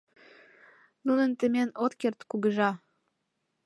Нуным темен от керт, кугыжа!